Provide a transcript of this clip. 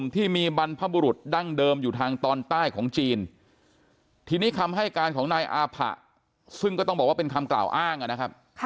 ทีนี้คำให้การของนายอาผะซึ่งก็ต้องบอกว่าเป็นคำกล่าวอ้างอ่ะนะครับ